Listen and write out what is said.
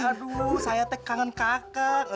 aduh saya kangen kakak